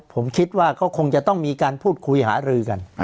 ผมคิดว่าก็คงจะต้องมีการพูดคุยหารือกัน